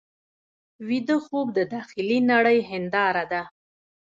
ویده خوب د داخلي نړۍ هنداره ده